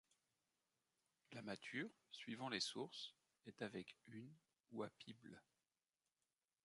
La mâture, suivant les sources, est avec hunes ou à pible.